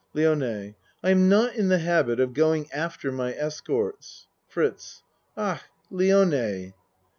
LIONE I am not in the habit of going after my escorts. FRITZ Ach Lione.